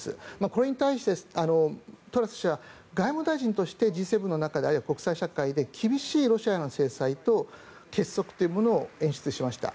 これに対してトラス氏は外務大臣としてＧ７の中であるいは国際社会の中で厳しいロシアの制裁と結束というものを演出しました。